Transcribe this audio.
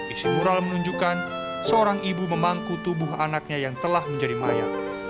isi mural menunjukkan seorang ibu memangku tubuh anaknya yang telah menjadi maya